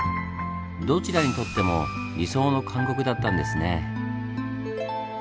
どちらにとっても「理想の監獄」だったんですね。